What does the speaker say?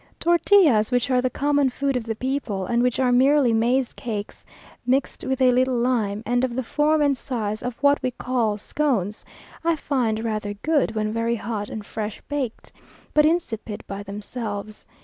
Tortillas, which are the common food of the people, and which are merely maize cakes mixed with a little lime, and of the form and size of what we call scones, I find rather good when very hot and fresh baked, but insipid by themselves.